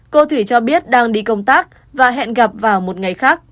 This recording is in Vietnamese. cô thủy cho biết đang đi công tác và hẹn gặp vào một ngày khác